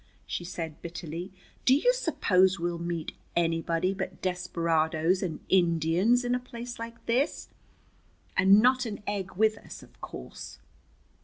she said bitterly. "Do you suppose we'll meet anybody but desperadoes and Indians in a place like this? And not an egg with us, of course."